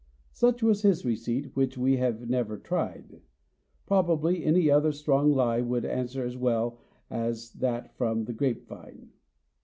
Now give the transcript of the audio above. Such was his receipt, which we have never tried. Probably any other strong lye would answer as well as that from the grape vine.